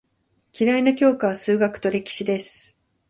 嫌いな教科は数学と歴史です。